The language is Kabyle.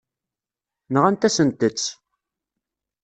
Nɣant-asent-tt.